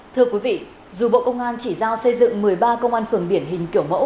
thưa quý vị dù bộ công an chỉ giao xây dựng một mươi ba công an phường điển hình kiểu mẫu